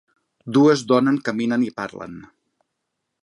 Dues donen caminen i parlen.